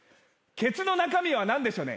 ケツの中身はなんでしょね？